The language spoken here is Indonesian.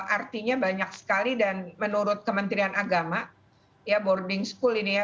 artinya banyak sekali dan menurut kementerian agama ya boarding school ini ya